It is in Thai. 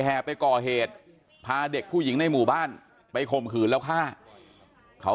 แห่ไปก่อเหตุพาเด็กผู้หญิงในหมู่บ้านไปข่มขืนแล้วฆ่าเขา